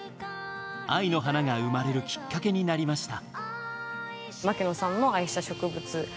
「愛の花」が生まれるきっかけになりました。